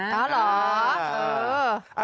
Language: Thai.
อ๋อเหรอเออ